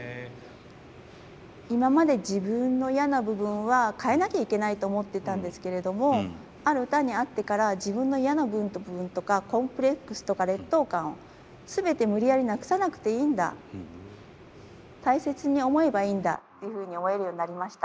今まで自分の嫌な部分は変えなきゃいけないと思っていたんですけれどもある歌に会ってから自分の嫌な部分とかコンプレックスとか劣等感を全て無理やりなくさなくていいんだ大切に思えばいいんだっていうふうに思えるようになりました。